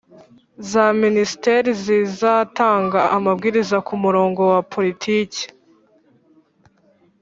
za minisiteri zizatanga amabwiriza ku murongo wa politiki